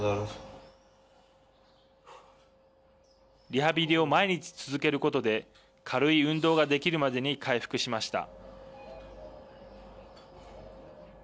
リハビリを毎日、続けることで軽い運動ができるまでに回復しました。